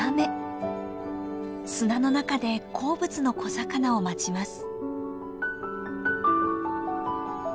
砂の中で好物の小魚を待ちます。